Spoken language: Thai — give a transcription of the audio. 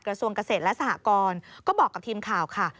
กระทรวงเกษตรและสหกรก็บอกกับทีมข่าวค่ะ